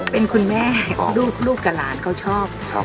เป็นคุณแม่ลูกกับหลานเขาชอบ